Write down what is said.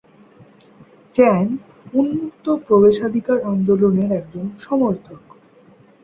চ্যান উন্মুক্ত প্রবেশাধিকার আন্দোলনের একজন সমর্থক।